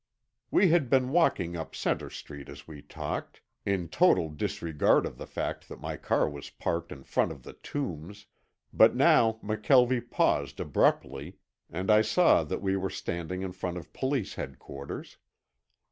We had been walking up Center Street as we talked, in total disregard of the fact that my car was parked in front of the Tombs, but now McKelvie paused abruptly and I saw that we were standing in front of Police Headquarters.